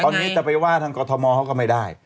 ตอนนี้จะไปว่าทางกรทมเขาก็ไม่ได้